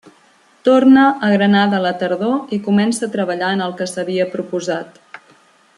Torna a Granada a la tardor i comença a treballar en el que s'havia proposat.